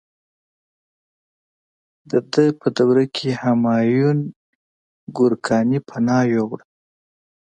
د ده په دوره کې همایون ګورکاني پناه یووړه.